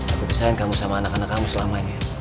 aku pesan kamu sama anak anak kamu selama ini